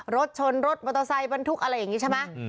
รถชนรถมอเตอร์ไซค์บรรทุกอะไรอย่างนี้ใช่ไหม